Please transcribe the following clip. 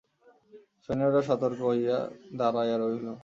সৈন্যেরা সতর্ক হইয়া দাঁড়াইয়া রহিল।